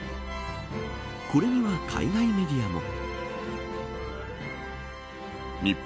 これには海外メディアも。